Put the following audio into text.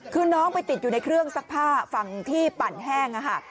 คือน้องไปติดอยู่ในเครื่องซักผ้าฝั่งที่ปั่นแห้ง